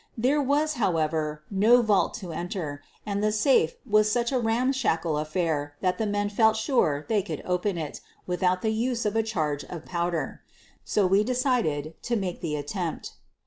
There was, however, no vault to enter, and the safe was such a ramshackle affair that the men felt sure they could open it without the use of a charge of powder. So we decided to make the attempt.